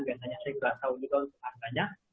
biar saya bisa tahu gitu untuk harganya